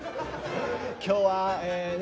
今日はね